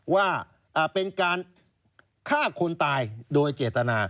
ว่าเป็นการฆ่าคนตายโดยเจตนา